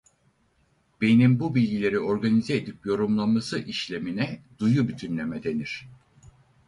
Beynin bu bilgileri organize edip yorumlaması işlemine duyu bütünleme denir.